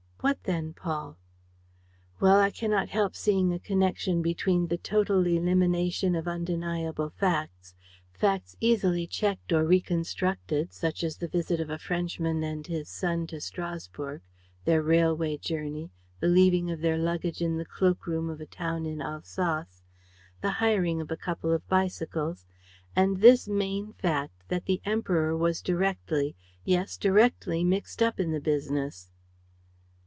"What then, Paul?" "Well, I cannot help seeing a connection between the total elimination of undeniable facts facts easily checked or reconstructed, such as the visit of a Frenchman and his son to Strasburg, their railway journey, the leaving of their luggage in the cloak room of a town in Alsace, the hiring of a couple of bicycles and this main fact, that the Emperor was directly, yes, directly mixed up in the business."